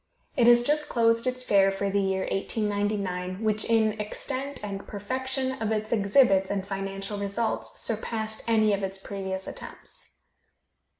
It has just closed its fair for the year 1899, which in extent and perfection of its exhibits and financial results surpassed any of its previous attempts.